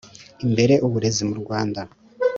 Imbere uburezi mu rwanda